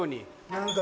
何か。